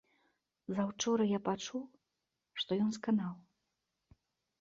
Заўчора я пачуў, што ён сканаў.